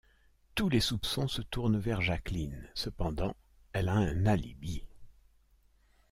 Tous les soupçons se tournent vers Jacqueline, cependant elle a un alibi.